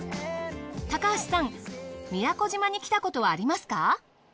高橋さん宮古島に来たことはありますか？